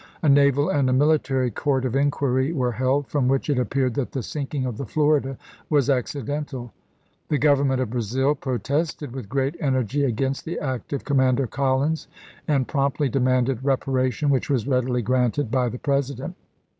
A naval and a military court of inquiry were held, from which it appeared that the sinking of the Florida was accidental. The Government of Brazil protested with great energy against the act of Commander Collins and promptly demanded reparation, which was readily granted by the President.